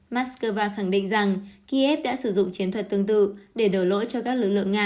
moscow khẳng định rằng kiev đã sử dụng chiến thuật tương tự để đổ lỗi cho các lực lượng nga